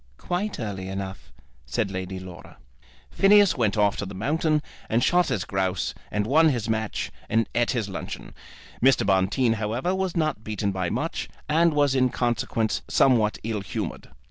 "Quite early enough," said Lady Laura. Phineas went off to the mountains, and shot his grouse, and won his match, and eat his luncheon. Mr. Bonteen, however, was not beaten by much, and was in consequence somewhat ill humoured.